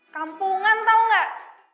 kampungan tau gak